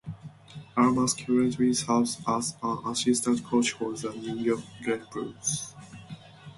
Armas currently serves as an assistant coach for the New York Red Bulls.